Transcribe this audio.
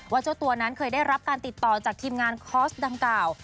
เจ้าตัวนั้นเคยได้รับการติดต่อจากทีมงานคอร์สดังกล่าว